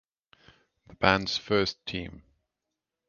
The band's first team